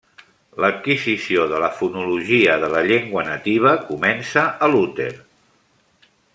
L'adquisició de la fonologia de la llengua nativa comença a l'úter.